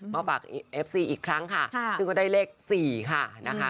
มาฝากเอฟซีอีกครั้งค่ะซึ่งก็ได้เลข๔ค่ะนะคะ